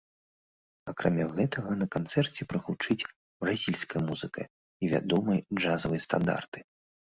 Акрамя гэтага, на канцэрце прагучыць бразільская музыка і вядомыя джазавыя стандарты.